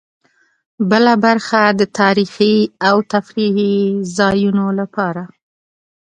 بله برخه د تاريخي او تفريحي ځایونو لپاره.